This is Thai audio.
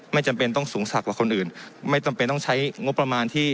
ไม่จำเป็นต้องสูงสักกว่าคนอื่นไม่จำเป็นต้องใช้งบประมาณที่